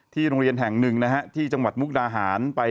โรงเรียนแห่งหนึ่งนะฮะที่จังหวัดมุกดาหารไป